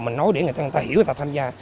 mình nói để người ta hiểu người ta tham gia